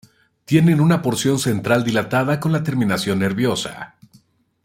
Tienen una porción central dilatada con la terminación nerviosa.